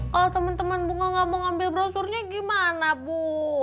kalau temen temen bunga nggak mau ambil brosurnya gimana bu